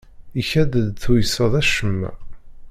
Ikad-d tuyseḍ acemma.